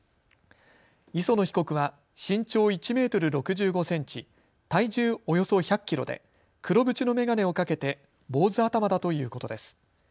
磯野被告は身長１メートル６５センチ、体重およそ１００キロで黒縁の眼鏡をかけて坊主頭だということです。